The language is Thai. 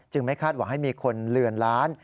ไม่คาดหวังให้มีคนเลือนล้าน